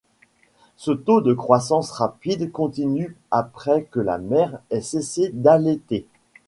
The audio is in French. Ce taux de croissance rapide continue après que la mère ait cessé d'allaiter.